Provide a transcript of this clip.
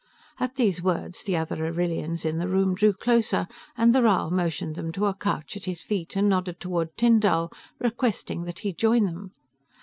At these words, the other Arrillians in the room drew closer, and the Rhal motioned them to a couch at his feet and nodded toward Tyndall, requesting that he join them.